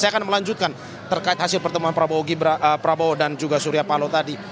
saya akan melanjutkan terkait hasil pertemuan prabowo dan juga surya paloh tadi